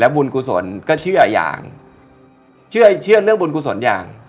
บุญกุศลก็เชื่ออย่างเชื่อเชื่อเรื่องบุญกุศลอย่าง